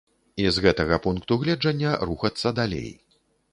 І з гэтага пункту гледжання рухацца далей.